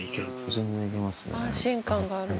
全然いけますね。